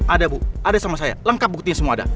ada bu ada sama saya lengkap buktinya semua ada